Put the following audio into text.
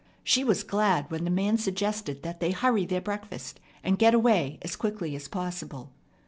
She was glad when the man suggested that they hurry their breakfast and get away as quickly as possible.